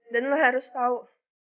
dan lo harus tau